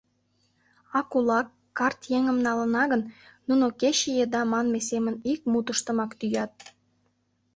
А кулак, карт еҥым налына гын, нуно кече еда манме семын ик мутыштымак тӱят: